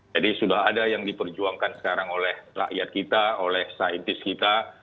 jadi sudah ada yang diperjuangkan sekarang oleh rakyat kita oleh saintis kita